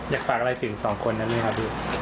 อยากฝากอะไรถึงสองคนนั้นเนี่ยครับพี่